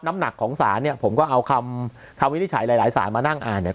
น้ำหนักของศาลเนี่ยผมก็เอาคำคำวินิจฉัยหลายหลายสารมานั่งอ่านเนี่ย